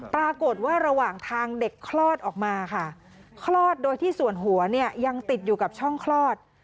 ปรากฏว่าระหว่างทางเด็กคลอดออกมาค่ะคลอดโดยที่ส่วนหัวเนี่ยยังติดอยู่กับช่องคลอด